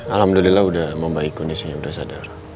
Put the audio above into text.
alhamdulillah udah membaik kondisinya udah sadar